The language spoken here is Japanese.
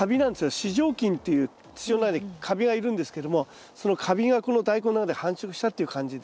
糸状菌っていう土の中にカビがいるんですけどもそのカビがこのダイコンの中で繁殖したっていう感じで。